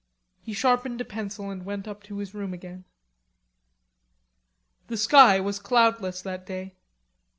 He sharpened a pencil and went up to his room again. The sky was cloudless that day.